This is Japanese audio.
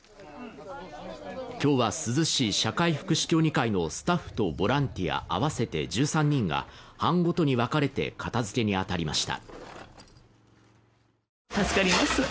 今日は珠洲市社会福祉協議会のスタッフとボランティア合わせて１３人が班ごとにわかれて片付けに当たりました。